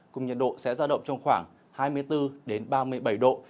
cùng nhiệt độ sẽ ra động trong khoảng hai mươi bốn ba mươi bảy độ